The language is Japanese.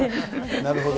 なるほど。